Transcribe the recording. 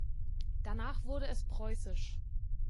Danach wurde es preußisch.